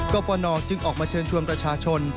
กรฟอนอลจึงออกมาเชิญชวมประชาชน